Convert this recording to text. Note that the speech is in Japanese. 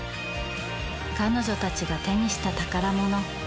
彼女たちが手にした宝物。